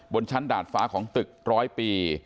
บนชั้นดาดฟ้าของตึกร้อยปี